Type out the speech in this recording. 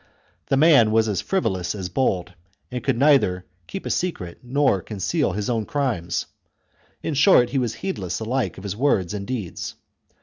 The man was as frivolous as bold, and could neither keep a secret nor conceal his own crimes ; in short, he was heedless alike of his words and deeds.